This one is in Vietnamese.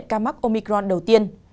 ca mắc omicron đầu tiên